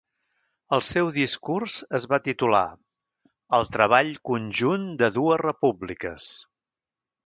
El seu discurs es va titular "El treball conjunt de dues repúbliques".